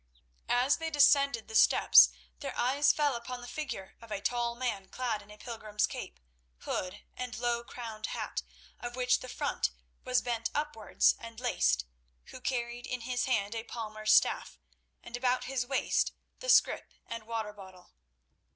As they descended the steps their eyes fell upon the figure of a tall man clad in a pilgrim's cape, hood and low crowned hat, of which the front was bent upwards and laced, who carried in his hand a palmer's staff, and about his waist the scrip and water bottle.